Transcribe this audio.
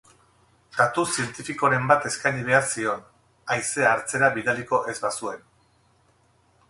Datu zientifikoren bat eskaini behar zion, haizea hartzera bidaliko ez bazuen.